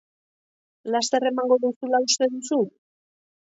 Laster emango duzula uste duzu?